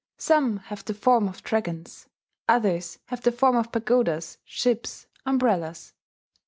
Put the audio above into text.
Some have the form of dragons; others have the form of pagodas, ships, umbrellas.